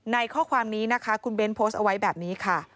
ข้อความนี้นะคะคุณเบ้นโพสต์เอาไว้แบบนี้ค่ะ